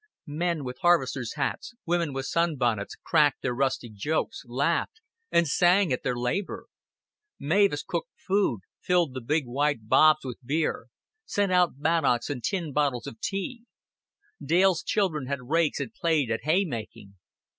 Men with harvesters' hats, women with sunbonnets, cracked their rustic jokes, laughed, and sang at their labor; Mavis cooked food, filled the big white bobs with beer, sent out bannocks and tin bottles of tea; Dale's children had rakes and played at hay making.